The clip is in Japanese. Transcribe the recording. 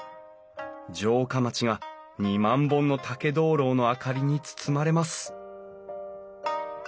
城下町が２万本の竹灯籠の明かりに包まれます